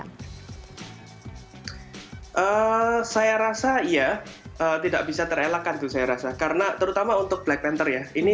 hai saya rasa ya tidak bisa terelakkan tuh saya rasa karena terutama untuk black panther ya ini